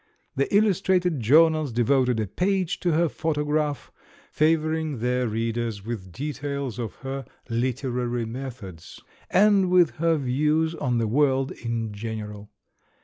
The il lustrated journals devoted a page to her photo graph, favouring their readers with details of her "literary methods," and with her views on the world in general.